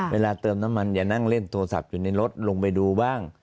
เวลาเติมน้ำมันอย่านั่งเล่นโทรศัพท์อยู่ในรถลงไปดูบ้าง